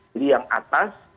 jadi yang atas